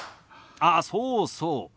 あっそうそう。